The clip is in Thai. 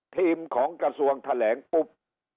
ทีมของกระทรวงแถลงปุ๊บ